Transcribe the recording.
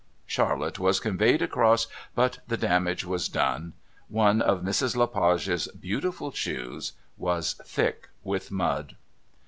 Charlotte was conveyed across, but the damage was done. One of Mrs. Le Page's beautiful shoes was thick with mud.